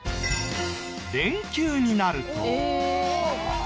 連休になると。